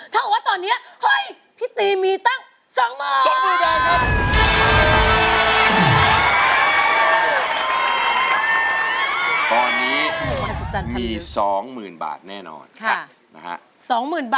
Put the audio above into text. ถ้าเล่นต่อก็มีรุน๒หมื่น